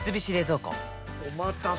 おまたせ！